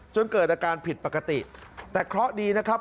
จนเกิดอาการผิดปกติแต่เคราะห์ดีนะครับ